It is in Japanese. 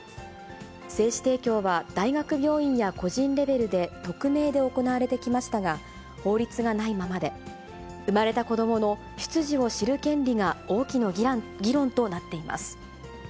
精子提供は大学病院や個人レベルで、匿名で行われてきましたが、法律がないままで、生まれた子どもの出自を知る権利が大きな議論となっています。